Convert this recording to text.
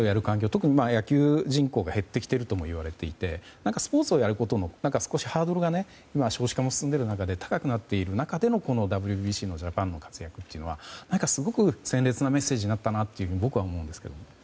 特に野球人口が減ってきているといわれていてスポーツをやることのハードルが今、少子化も進んでいて高くなっている中でのＷＢＣのジャパンの活躍はすごく鮮烈なメッセージになったなと僕は思うんですけど。